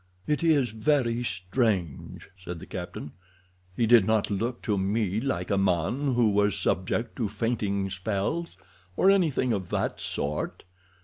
"It is very strange," said the captain. "He did not look to me like a man who was subject to fainting spells, or anything of that sort.